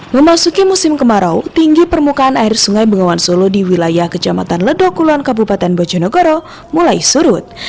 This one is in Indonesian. memasuki musim kemarau tinggi permukaan air sungai bengawan solo di wilayah kejamatan ledokulan kabupaten bojonegoro mulai surut